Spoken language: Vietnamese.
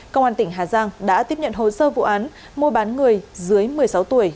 công an tỉnh hà giang đã tiếp nhận hồ sơ vụ án mua bán người dưới một mươi sáu tuổi